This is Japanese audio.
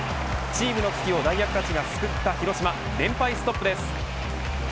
チームの危機を代役たちが救った広島、連敗ストップです。